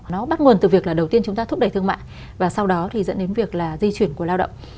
nó bắt nguồn từ việc là đầu tiên chúng ta thúc đẩy thương mại và sau đó thì dẫn đến việc là di chuyển của lao động